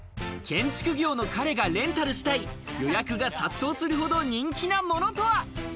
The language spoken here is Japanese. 建築業の彼がレンタルしたい予約が殺到するほど人気なものとは？